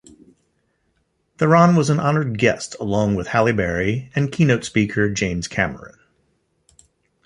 Theron was an honoured guest along with Halle Berry and keynote speaker James Cameron.